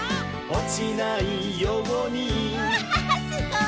「おちないように」うわすごい！